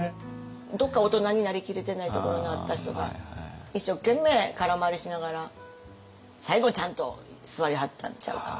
どっか大人になりきれてないところのあった人が一生懸命空回りしながら最後ちゃんと座りはったんちゃうかな。